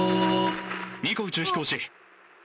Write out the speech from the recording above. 「ニコ宇宙飛行士。